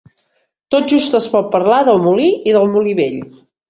Tot just es pot parlar del Molí i del Molí Vell.